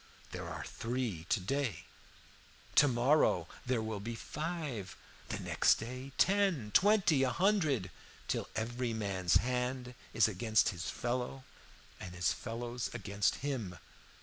There are three to day: to morrow there will be five, the next day ten, twenty, a hundred, till every man's hand is against his fellow, and his fellow's against him.